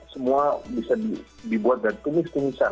semua bisa dibuat dari tumis tumisan